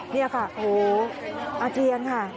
นี่ค่ะอาเตียงค่ะ